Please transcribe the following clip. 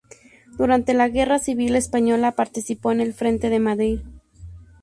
Durante la Guerra Civil Española participó en el frente de Madrid.